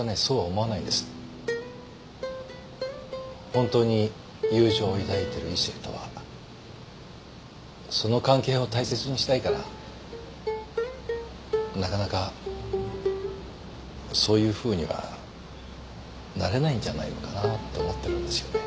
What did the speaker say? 本当に友情を抱いてる異性とはその関係を大切にしたいからなかなかそういうふうにはなれないんじゃないのかなと思ってるんですよね。